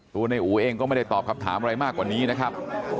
ในอู๋เองก็ไม่ได้ตอบคำถามอะไรมากกว่านี้นะครับ